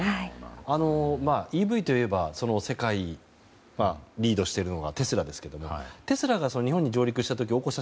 ＥＶといえば世界をリードしているのがテスラですがテスラが日本に上陸した時大越さん